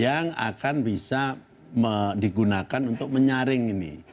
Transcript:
yang akan bisa digunakan untuk menyaring ini